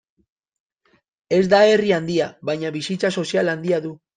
Ez da herri handia, baina bizitza sozial handia du.